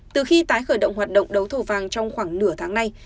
từ khi tái khởi động hoạt động đấu thầu vàng trong khoảng nửa tháng nay